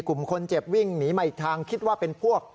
กลุ่มคนเจ็บวิ่งหนีมาอีกทางคิดว่าเป็นพวก